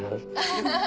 ハハハ。